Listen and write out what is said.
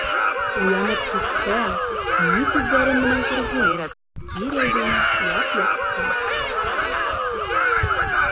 Уянып китһә, ни күҙҙәре менән күрһен, тирә-йүн яп-яҡты!